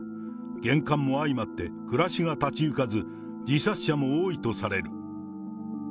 厳寒も相まって暮らしが立ち行かず、自殺者も多いとされる。